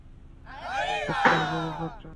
খুবই সেক্সি হবে ব্যাপারটা।